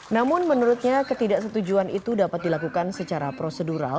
namun menurutnya ketidaksetujuan itu dapat dilakukan secara prosedural